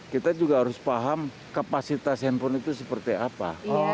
kita juga harus paham kapasitas handphone itu seperti apa